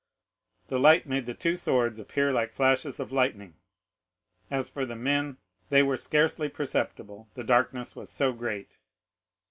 The light made the two swords appear like flashes of lightning; as for the men, they were scarcely perceptible, the darkness was so great.